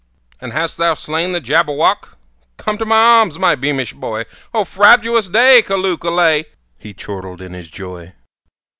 "And hast thou slain the Jabberwock? Come to my arms, my beamish boy! Oh, frabjous day! Callooh! Callay!" He chortled in his joy.